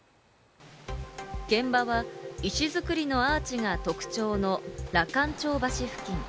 現場は石造りのアーチが特徴の羅漢町橋付近。